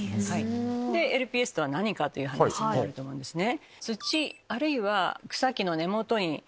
ＬＰＳとは何か？という話になると思うんですね。